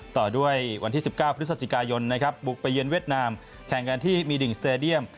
ต่อด้วยวันที่๑๙พฤศจิกายนนะครับบุกไปเยือนเวียดนามแข่งกันที่มีดิ่งสเตดียม